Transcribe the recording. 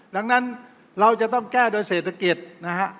ดังนั้นเราจะต้องแก้โดยเศรษฐกิจนะฮะ